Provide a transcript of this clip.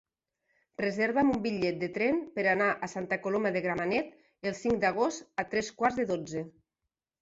Reserva'm un bitllet de tren per anar a Santa Coloma de Gramenet el cinc d'agost a tres quarts de dotze.